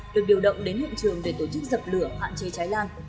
được điều động đến hiện trường để tổ chức dập lửa hạn chế cháy lan